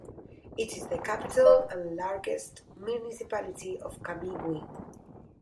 It is the capital and largest municipality of Camiguin.